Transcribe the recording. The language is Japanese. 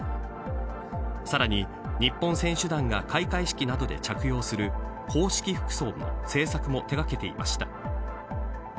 さらに、日本選手団が開会式などで着用する公式服装の製作も手掛けていました。